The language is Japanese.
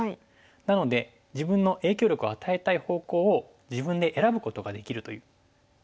なので自分の影響力を与えたい方向を自分で選ぶことができるという利点があるんですね。